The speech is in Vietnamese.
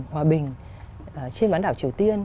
hòa bình trên ván đảo triều tiên